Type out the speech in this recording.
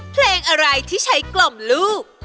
เพลงอะไรที่ใช้กล่อมลูก